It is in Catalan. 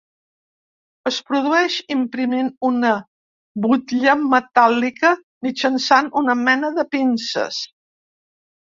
Es produeix imprimint una butlla metàl·lica mitjançant una mena de pinces.